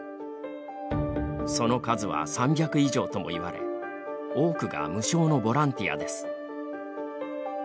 その数は３００以上とも言われ多くが無償のボランティアです。